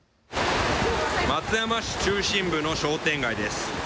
松山市中心部の商店街です。